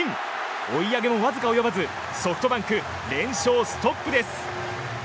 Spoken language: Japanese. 追い上げもわずか及ばずソフトバンク連勝ストップです。